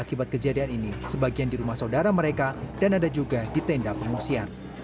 dan akibat kejadian ini sebagian di rumah saudara mereka dan ada juga di tenda pengungsian